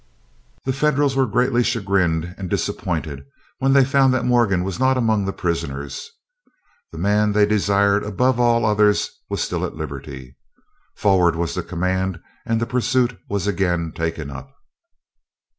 The Federals were greatly chagrined and disappointed when they found that Morgan was not among the prisoners. The man they desired above all others was still at liberty. "Forward," was the command, and the pursuit was again taken up.